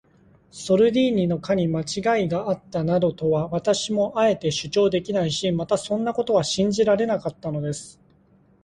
ソルディーニの課にまちがいがあったなどとは、私もあえて主張できないし、またそんなことは信じられなかったのです。